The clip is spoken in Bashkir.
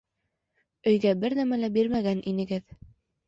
Өйгә бер нәмә лә бирмәгән инегеҙ.